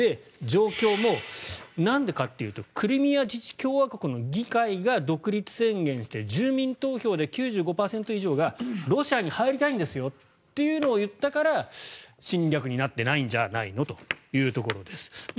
状況もなんでかっていうとクリミア自治共和国の議会が独立宣言して住民投票で９５％以上がロシアに入りたいんですよというのを言ったから侵略になってないんじゃないのというところです。